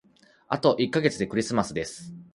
あと一ヶ月でクリスマスです。